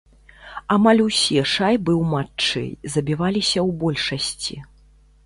Амаль усе шайбы ў матчы забіваліся ў большасці.